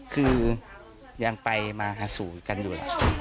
คือยังไปมาหาสู่กันอยู่ล่ะ